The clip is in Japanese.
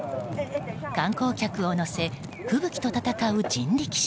観光客を乗せ吹雪と戦う人力車。